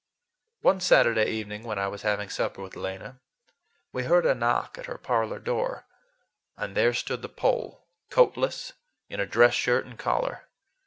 One Saturday evening when I was having supper with Lena we heard a knock at her parlor door, and there stood the Pole, coatless, in a dress shirt and collar.